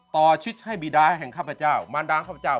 ชิดให้บีดาแห่งข้าพเจ้ามารดางข้าพเจ้า